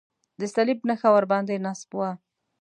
د صلیب نښه ورباندې نصب وه.